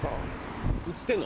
映ってんの？